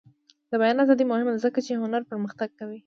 د بیان ازادي مهمه ده ځکه چې هنر پرمختګ کوي.